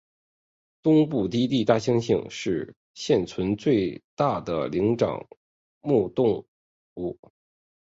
东部低地大猩猩是现存最大的灵长目动物。